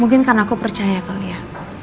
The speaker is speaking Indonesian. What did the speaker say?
mungkin karena aku percaya kali ya